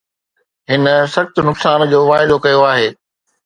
هن سخت نقصان جو واعدو ڪيو آهي